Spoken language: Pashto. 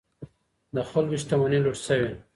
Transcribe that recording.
د خلکو شتمنۍ لوټ شوې.